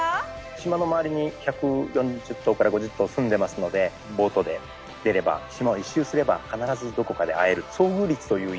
島の周りに１４０頭から１５０頭すんでますのでボートで出れば島を１周すれば必ずどこかで会える。